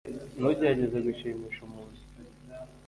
ntugerageze gushimisha umuntu